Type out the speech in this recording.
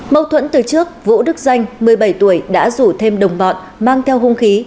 mâu thuẫn từ trước vũ đức danh một mươi bảy tuổi đã rủ thêm đồng bọn mang theo hung khí